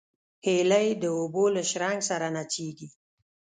هیلۍ د اوبو له شرنګ سره نڅېږي